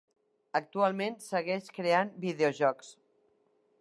Actualment segueix creant videojocs.